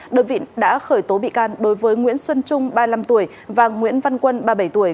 đơn vị đã khởi tố bị can đối với nguyễn xuân trung ba mươi năm tuổi và nguyễn văn quân ba mươi bảy tuổi